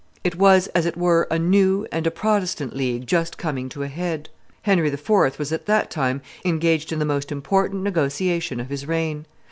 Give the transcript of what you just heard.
It was as it were a new and a Protestant League just coming to a head. Henry IV. was at that time engaged in the most important negotiation of his reign.